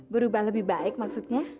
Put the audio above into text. berubah lebih baik maksudnya